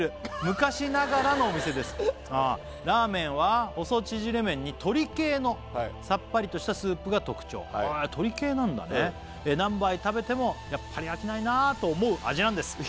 「昔ながらのお店です」「ラーメンは細縮れ麺に」「鶏系のさっぱりとしたスープが特徴」は鶏系なんだね「何杯食べてもやっぱり飽きないなと思う味なんです」